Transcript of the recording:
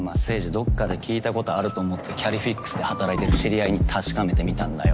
どっかで聞いたことあると思ってキャリフィックスで働いてる知り合いに確かめてみたんだよ。